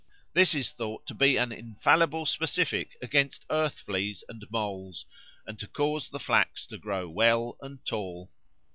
This is thought to be an infallible specific against earth fleas and moles, and to cause the flax to grow well and tall.